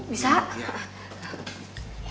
bisa tante biar aku